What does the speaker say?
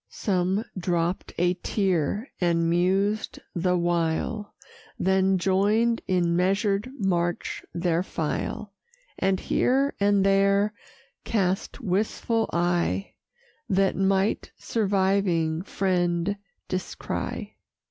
Some dropp'd a tear, and mused the while, Then join'd in measured march their file; And here and there cast wistful eye, That might surviving friend descry.